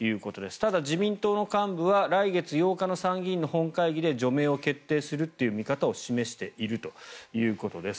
ただ自民党の幹部は来月８日の参議院の本会議で除名を決定するという見方を示しているということです。